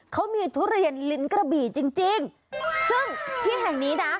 เขามีทุเรียนลิ้นกระบี่จริงจริงซึ่งที่แห่งนี้นะ